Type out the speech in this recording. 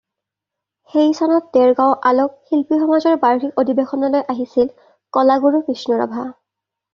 সেই চনত দেৰগাঁও আলোক শিল্পী সমাজৰ বাৰ্ষিক অধিৱেশনলৈ আহিছিল কলা গুৰু বিষ্ণু ৰাভা।